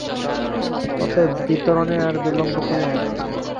অতএব বিতরণে আর বিলম্ব করিও না।